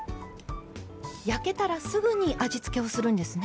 焼けたらすぐに味付けをするんですね。